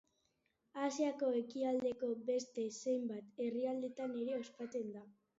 Asiako ekialdeko beste zenbait herrialdetan ere ospatzen da.